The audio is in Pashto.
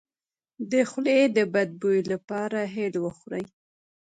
د خولې د بد بوی لپاره هل وخورئ